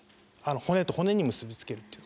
骨と骨に結びつけるっていう。